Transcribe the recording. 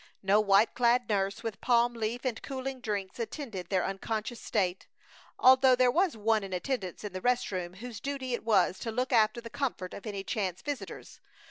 No white clad nurse with palm leaf and cooling drinks attended their unconscious state, although there was one in attendance in the rest room whose duty it was to look after the comfort of any chance visitors.